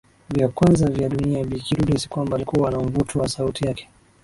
vya kwanza vya dunia Bi Kidude si kwamba alikuwa na mvuto kwa sauti yake